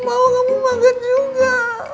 aku mau kamu makan juga